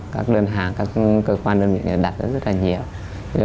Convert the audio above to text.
các đơn hàng các cơ quan đơn vị đặt rất là nhiều